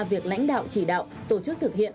việc lãnh đạo chỉ đạo tổ chức thực hiện